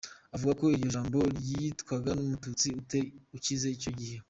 Avuga ko iryo jambo ryitwaga n’Umututsi uteri ukize icyo gihe.